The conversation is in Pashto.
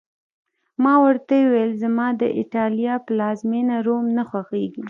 ما ورته وویل: زما د ایټالیا پلازمېنه، روم نه خوښېږي.